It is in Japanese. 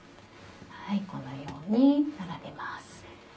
このように並べます。